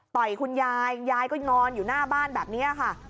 คุณยายยายก็นอนอยู่หน้าบ้านแบบนี้ค่ะ